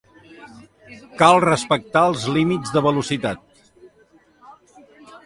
Cal respectar els límits de velocitat.